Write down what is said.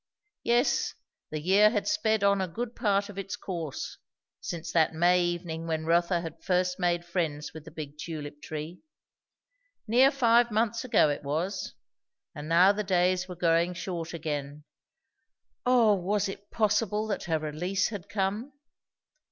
Yes, the year had sped on a good part of its course, since that May evening when Rotha had first made friends with the big tulip tree. Near five months ago it was, and now the days were growing short again. O was it possible that her release had come?